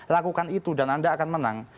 lakukan itu dan anda akan menang